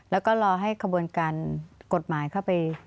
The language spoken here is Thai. แล้วก็รอให้ขบวนการกฎหมายเข้าไป